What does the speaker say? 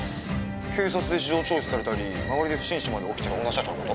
警察で事情聴取されたり周りで不審死まで起きてる女社長のこと？